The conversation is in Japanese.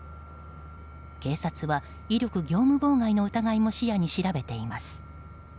警察は威力業務妨害の疑いも視野に調べています。